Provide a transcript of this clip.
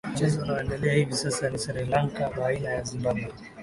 mchezo unaoendelea hivi sasa ni srilanka baina ya zimbabwe